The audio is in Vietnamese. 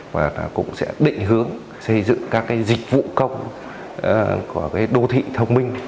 và cũng sẽ định hướng xây dựng các dịch vụ công của đô thị thông minh